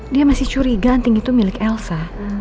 dia masih curiga anting itu milik elsa